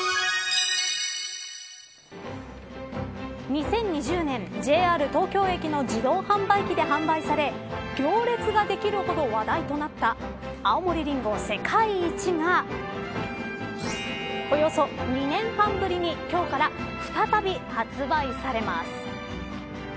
２０２０年ＪＲ東京駅の自動販売機で販売され、行列ができるほど話題となった青森りんご世界一がおよそ２年半ぶりに今日から再び発売されます。